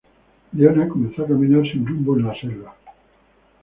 Leona comenzó a caminar sin rumbo en la selva.